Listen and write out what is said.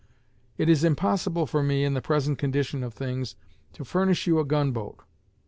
It is impossible for me, in the present condition of things, to furnish you a gun boat.